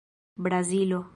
Brazilo